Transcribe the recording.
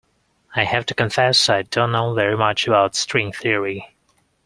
I have to confess I don't know very much about string theory.